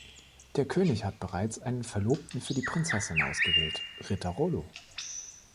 Der König hat bereits einen Verlobten für die Prinzessin ausgewählt, Ritter Rolo.